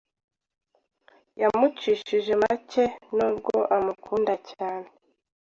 Yamucishije makenubwo amukunda cyane